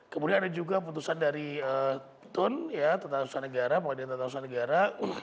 kemudian ada juga putusan dari tun tata usaha negara pengadilan tata usaha negara